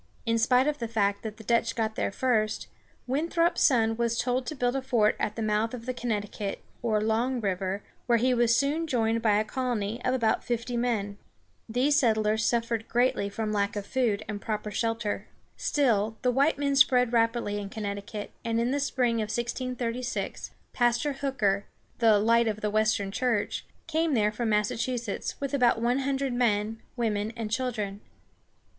In spite of the fact that the Dutch got there first, Winthrop's son was told to build a fort at the mouth of the Connecticut, or Long River, where he was soon joined by a colony of about fifty men. These settlers suffered greatly from lack of food and proper shelter. [Illustration: Carrying Mrs. Hooker to Hartford.] Still, the white men spread rapidly in Connecticut, and in the spring of 1636, Pastor Hooker, "the light of the western church," came there from Massachusetts, with about one hundred men, women, and children.